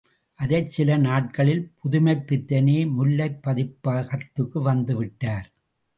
அடுத்த சில நாட்களில் புதுமைப்பித்தனே முல்லை பதிப்பகத்துக்கு வந்துவிட்டார்!